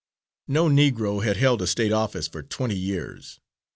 No Negro had held a State office for twenty years.